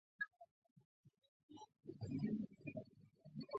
和平镇是中国福建省南平市邵武市下辖的一个镇。